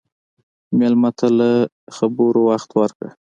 مېلمه ته له خبرو وخت ورکړه.